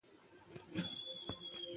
سلام زما نوم حکمت الله صافی